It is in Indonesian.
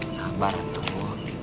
sabar dong pak